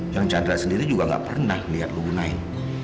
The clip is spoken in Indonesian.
yang chandra sendiri juga gak pernah liat lo gunain